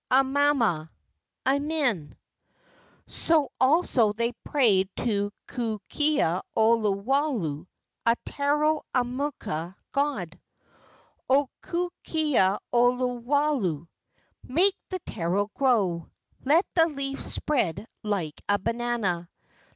Amama [Amen]." So also they prayed to Kukea olo walu (a taro aumakua god): "O Kukea olo walu! Make the taro grow. Let the leaf spread like a banana.